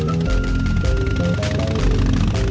dengan mendapatkan hati